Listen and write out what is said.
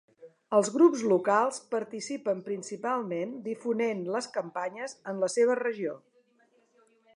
Els grups locals participen principalment difonent les campanyes en la seva regió.